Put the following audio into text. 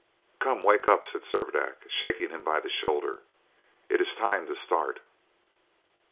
"Come, wake up!" said Servadac, shaking him by the shoulder; "it is time to start."